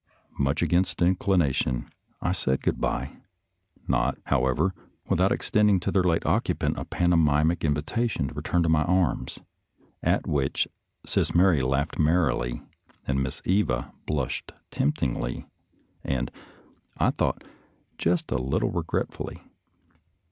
Much against inclination, I said good by; not, how ever, without extending to their late occupant a pantomimic invitation to return to my arms, at which Sis Mary laughed merrily and Miss Eva blushed temptingly, and, I thought, just a little regretfully.